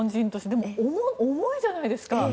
でも、重いじゃないですか。